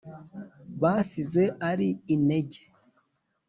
basize ari inege,